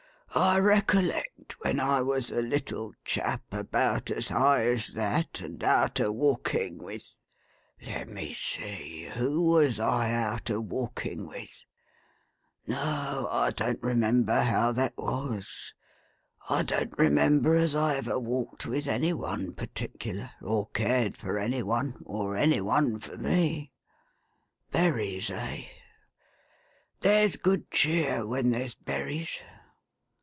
I recollect, when I was a little chap about as high as that, and out a walking with — let me see — who was I out a walking with ?— no, I don't remember how that was. I don't remember as I ever walked with any one particular, or cared for any one, or any one for me. Berries, eh ? There's good cheer when there's berries.